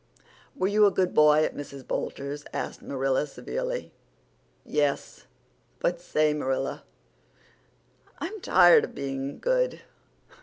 "Were you a good boy at Mrs. Boulter's?" asked Marilla severely. "Yes; but say, Marilla, I'm tired of being good."